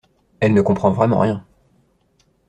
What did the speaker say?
Elle ne comprend vraiment rien!